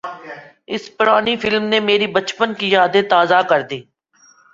اُس پرانی فلم نے میری بچپن کی یادیں تازہ کردیں